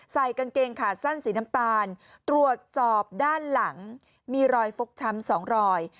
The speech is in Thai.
ใส่กางเกงขาสั้นสีน้ำตาลตรวจสอบด้านหลังมีรอยฟกช้ำสองรอย